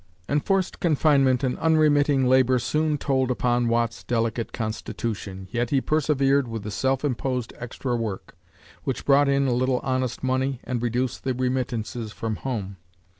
Enforced confinement and unremitting labor soon told upon Watt's delicate constitution, yet he persevered with the self imposed extra work, which brought in a little honest money and reduced the remittances from home.